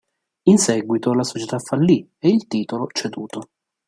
In seguitò la società fallì e il titolo ceduto.